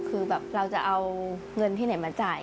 คือแบบเราจะเอาเงินที่ไหนมาจ่าย